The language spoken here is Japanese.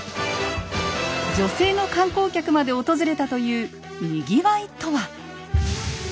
女性の観光客まで訪れたというにぎわいとは⁉